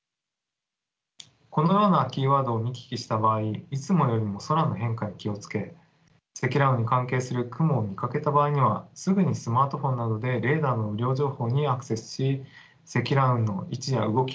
このようなキーワードを見聞きした場合いつもよりも空の変化に気を付け積乱雲に関係する雲を見かけた場合にはすぐにスマートフォンなどでレーダーの雨量情報にアクセスし積乱雲の位置や動きを確認しましょう。